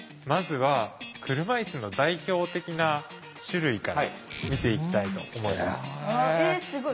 まずは車いすの代表的な種類から見ていきたいと思います。